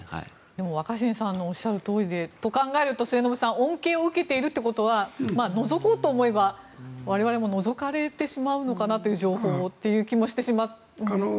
でも、若新さんのおっしゃるとおりと考えると恩恵を受けているということはのぞこうと思えば我々も情報をのぞかれてしまうのかなという気がしてしまうんですが。